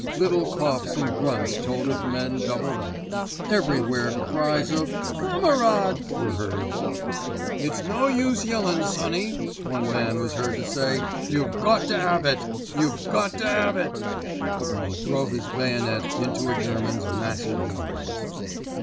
Little coughs and grunts told of men doubled up. Everywhere cries of "Kamerad" were heard. "It's no use yellin', sonny," one man was heard to say. "You've got to 'ave it—you've go to 'ave it!" and he drove his bayonet into a German's massive loins.